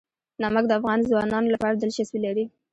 نمک د افغان ځوانانو لپاره دلچسپي لري.